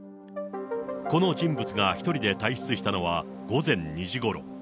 この人物が１人で退出したのは午前２時ごろ。